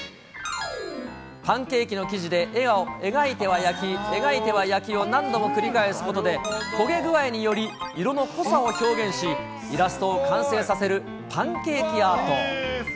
パンケーキの生地で絵を描いては焼き、描いては焼きを何度も繰り返すことで、焦げ具合により色の濃さを表現し、イラストを完成させる、パンケーキアート。